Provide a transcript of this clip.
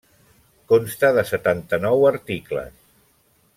Consta de setanta-nou articles.